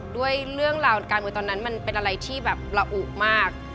ด้วยเรื่องราวการเมืองตอนนั้นมันเป็นอะไรที่แบบละอุมาก